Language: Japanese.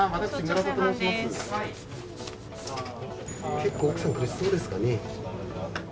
結構、奥さん苦しそうですかね。